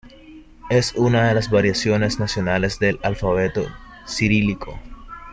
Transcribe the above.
Es una de las variaciones nacionales del Alfabeto Cirílico.